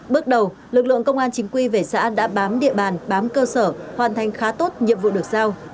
bước đầu lực lượng công an chính quy về xã đã bám địa bàn bám cơ sở hoàn thành khá tốt nhiệm vụ được giao